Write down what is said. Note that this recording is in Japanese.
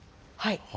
はい。